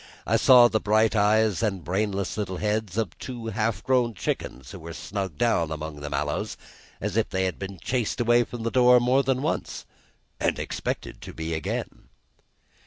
I saw the bright eyes and brainless little heads of two half grown chickens who were snuggled down among the mallows as if they had been chased away from the door more than once, and expected to be again.